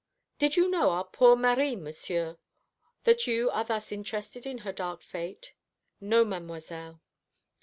"Did you know our poor Marie, Monsieur, that you are thus interested in her dark fate?" "No, Mademoiselle."